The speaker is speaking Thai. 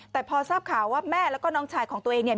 แต่พอทราบข่าวว่าแม่แล้วก็น้องชายของตัวเองเนี่ย